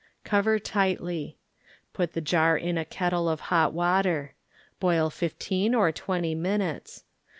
Cover tightly. Put the jar in a kettle of hot water. Boil fifteen or twenty minutes.